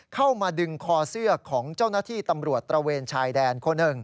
เข้ามาดึงคอเสื้อของเจ้าหน้าที่ตำรวจตระเวนชายแดนคนหนึ่ง